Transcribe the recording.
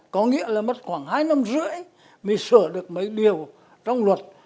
có nghĩa là mất khoảng hai năm rưỡi mình sửa được mấy điều trong luật